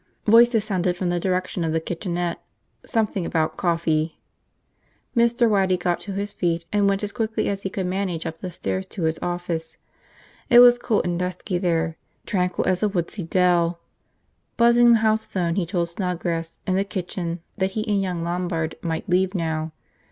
Voices sounded from the direction of the kitchenette, something about coffee. Mr. Waddy got to his feet and went as quickly as he could manage up the stairs to his office. It was cool and dusky there, tranquil as a woodsy dell. Buzzing the house phone he told Snodgrass, in the kitchen, that he and young Lombard might leave now.